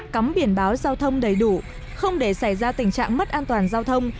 cắm biển báo giao thông đầy đủ không để xảy ra tình trạng mất an toàn giao thông